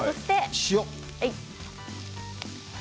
塩。